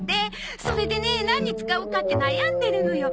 それでね何に使おうかって悩んでるのよ。